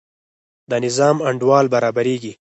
د نظم انډول برابریږي.